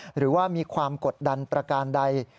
หรือว่ามีความกดดันประการใด